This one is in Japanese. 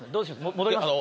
戻ります？